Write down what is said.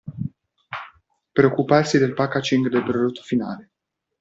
Preoccuparsi del packaging del prodotto finale.